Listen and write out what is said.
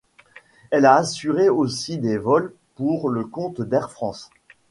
Elle a assuré aussi des vols pour le compte d'Air France.